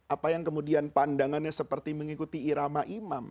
apa yang kemudian pandangannya seperti mengikuti irama imam